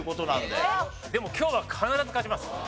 でも今日は必ず勝ちます。